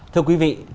thưa quý vị